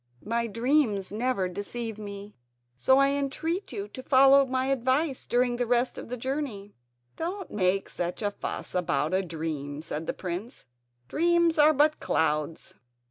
My dreams never deceive me, so I entreat you to follow my advice during the rest of the journey." "Don't make such a fuss about a dream," said the prince; "dreams are but clouds.